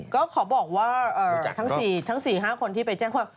ก็ขอบอกว่าทั้ง๔๕คนที่ไปแจ้งความ